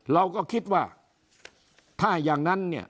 เราก็คิดว่าถ้าอย่างนั้นเนี่ย